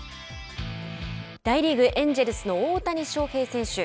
大リーグ、エンジェルスの大谷翔平選手。